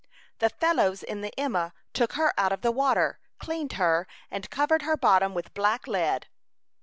"The fellows in the Emma took her out of the water, cleaned her, and covered her bottom with black lead."